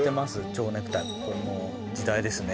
蝶ネクタイこれも時代ですね